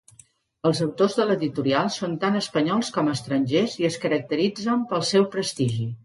Els autors de l'editorial són tant espanyols com estrangers i es caracteritzen pel seu prestigi.